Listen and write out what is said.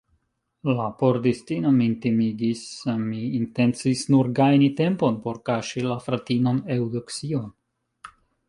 La pordistino min timigis, mi intencis nur gajni tempon, por kaŝi la fratinon Eŭdoksion.